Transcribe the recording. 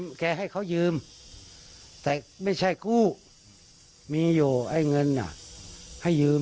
แกให้เขายืมแต่ไม่ใช่กู้มีอยู่ไอ้เงินอ่ะให้ยืม